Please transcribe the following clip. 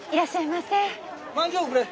まんじゅうおくれ。